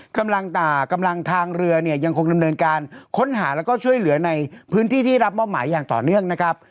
กำลังทางเรือเนี่ยยังคงดำเนินการค้นหาแล้วก็ช่วยเหลือในพื้นที่ที่รับมอบหมายอย่างต่อเนื่องนะครับ